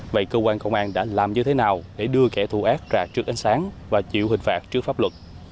vậy cơ quan công an đã làm như thế nào để đưa kẻ thù ác ra trước ánh sáng và chịu hình phạt trước pháp luật